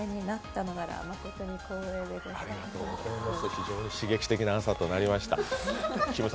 非常に刺激的な朝となりました。